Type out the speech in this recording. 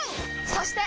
そして！